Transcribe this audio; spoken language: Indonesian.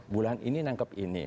bulan ini nangkep ini